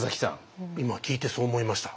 今聞いてそう思いました。